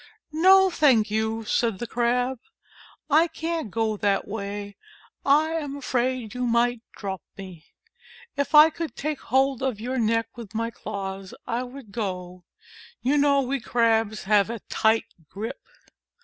"No, I thank you," said the Crab, "I can't go that way. I am afraid you might drop me. If I could take hold of your neck with my claws, I would go. You know we Crabs have a tight grip."